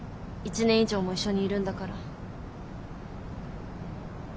１年以上も一緒にいるんだから。